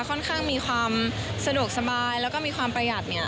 ค่อนข้างมีความสะดวกสบายแล้วก็มีความประหยัดเนี่ย